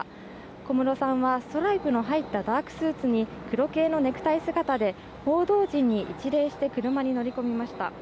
小室さんはストライプの入ったダークスーツに黒系のネクタイ姿で報道陣に一礼して車に乗り込みました。